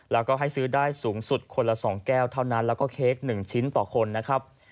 แล้วก็ให้ซื้อได้สูงสุดคนละ๒แก้วเท่านั้นแล้วก็เค้ก๑ชิ้นต่อคนนะครับ